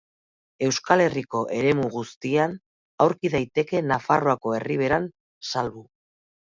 Euskal Herriko eremu guztian aurki daiteke Nafarroako Erriberan salbu.